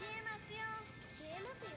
「『消えますよ』」